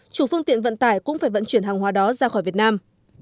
chủ phương tiện vận tải cũng phải vận chuyển hàng hóa đó ra khỏi việt nam